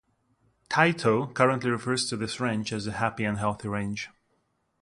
Tayto currently refers to this range as the "Happy and Healthy range".